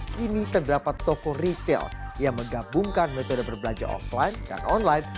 kini terdapat toko retail yang menggabungkan metode berbelanja offline dan online